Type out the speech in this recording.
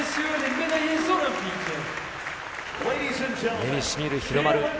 目にしみる日の丸。